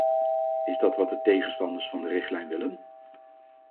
Is dat wat de tegenstanders van de richtlijn willen?